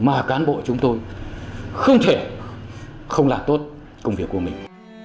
mà cán bộ chúng tôi không thể không làm tốt công việc của mình